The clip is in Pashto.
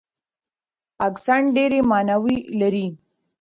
اکسنټ ډېرې ماناوې لري.